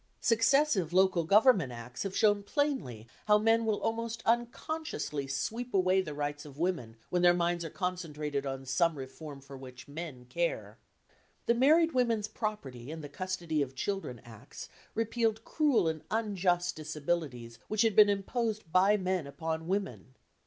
Successive Local Government Acts have shown plainly how men will almost unconsciously sweep away the rights of women when their minds are concentrated on some reform for which men care. The Married Women's Property and the Custody of Children Acts repealed cruel and unjust disabilities which had been imposed by men upon women.